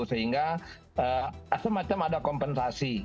sehingga semacam ada kompensasi